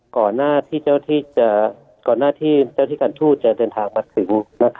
ก่อนหน้าที่เจ้าที่การทูตจะเตินทางมาถึง